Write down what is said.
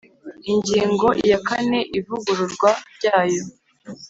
Ingingo yakaneIvugururwa ryayo